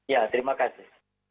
ya terima kasih